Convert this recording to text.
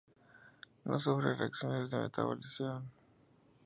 No sufre reacciones de metabolización.